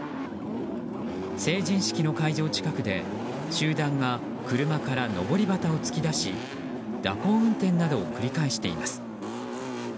成人式の会場近くで集団が車からのぼり旗を突き出し蛇行運転などを繰り返しています。